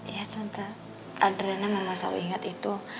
ya tante adriana memang selalu inget itu